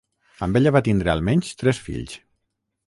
Amb ella va tindre almenys tres fills.